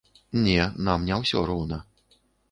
Не, нам не ўсё роўна.